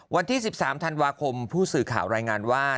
วันที่๑๓ธันวาคมผู้สื่อข่าวรายงานว่า